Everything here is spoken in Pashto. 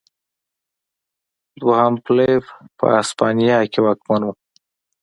دویم فلیپ په هسپانیا کې واکمن و.